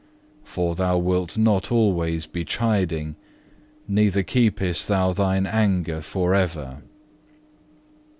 For Thou wilt not always be chiding, neither keepest Thou Thine anger for ever."